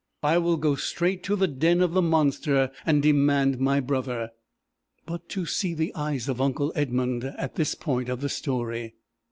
I will go straight to the den of the monster, and demand my brother!'" But to see the eyes of uncle Edmund at this point of the story!